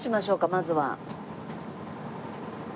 まずは。